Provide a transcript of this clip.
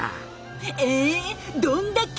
ええどんだけ！